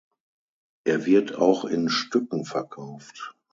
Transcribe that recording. Er wird auch in Stücken verkauft.